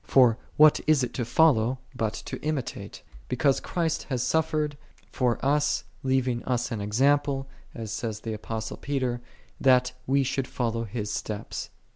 For what is it to follow, but to imitate ? Be cause " Christ hath suffered for us," " leaving us an example, as saith the Apostle Peter, "that we should follow His steps."